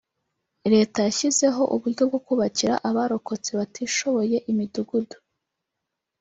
Leta yashyizeho uburyo bwo kubakira abarokotse batishoboye imidugudu